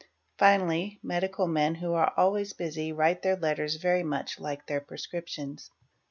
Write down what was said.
Finally medical men who are always busy write their letters y much hike their prescriptions.